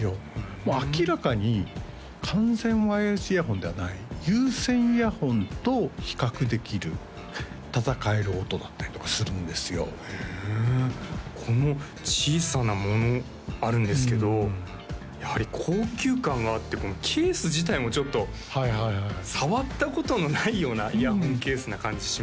もう明らかに完全ワイヤレスイヤホンではない有線イヤホンと比較できるたたかえる音だったりとかするんですよふんこの小さなものあるんですけどやはり高級感があってこのケース自体もちょっと触ったことのないようなイヤホンケースな感じしますね